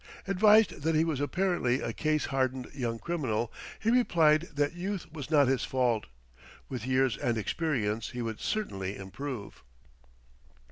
Advised that he was apparently a case hardened young criminal, he replied that youth was not his fault; with years and experience he would certainly improve.